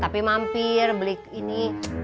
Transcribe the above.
tapi mampir belik ini